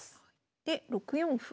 で６四歩。